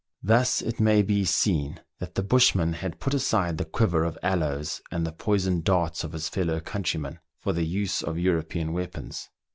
Thus it may be seen that the bushman had put aside the quiver of aloes and the poisoned darts of his fellow countrymen for the use of European weapons.